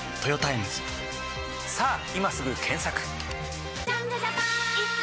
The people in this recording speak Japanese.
さぁ今すぐ検索！